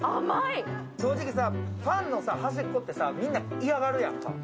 正直、パンの端っこってみんな嫌がるやん。